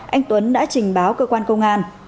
anh tuấn đã trình báo cơ quan công an